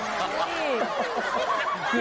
นี่